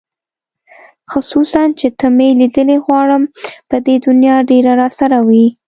خصوصاً چې ته مې لیدلې غواړم په دې دنیا ډېره راسره وې